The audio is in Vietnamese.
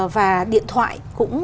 và điện thoại